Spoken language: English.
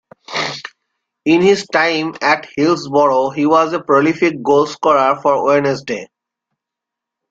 In his time at Hillsborough he was a prolific goalscorer for Wednesday.